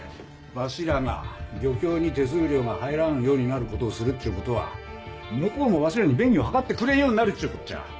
わしらが漁協に手数料が入らんようになることをするっちゅうことは向こうもわしらに便宜を図ってくれんようになるっちゅうこっちゃ。